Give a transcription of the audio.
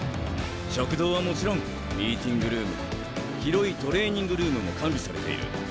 食堂はもちろんミーティングルーム広いトレーニングルームも完備されている。